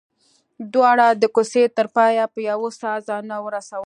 دواړو د کوڅې تر پايه په يوه ساه ځانونه ورسول.